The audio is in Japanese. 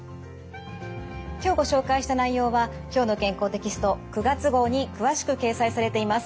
今日ご紹介した内容は「きょうの健康」テキスト９月号に詳しく掲載されています。